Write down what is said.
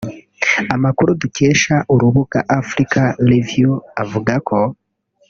Amakuru dukesha urubuga Africa Review avuga ko